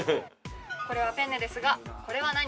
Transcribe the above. これはペンネですがこれは何？